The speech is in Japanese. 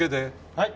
はい。